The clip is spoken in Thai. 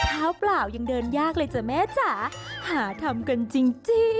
เปล่ายังเดินยากเลยจ้ะแม่จ๋าหาทำกันจริง